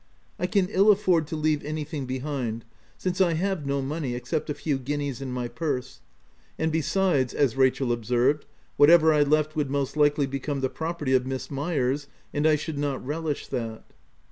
I can ill afford to leave anything be hind, since I have no money , except a few guineas in my purse ;— and besides, as Rachel observed, whatever I left would most likely be come the property of Miss Myers, and I should not relish that.